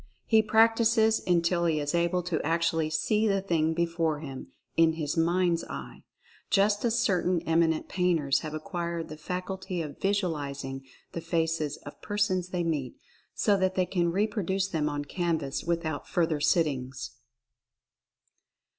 He practices until he is able to actually see the thing before him "in his mind's eye" just as certain eminent painters have acquired the faculty of "visualizing" the faces of persons they meet, so that they can reproduce them on canvas without further sittings.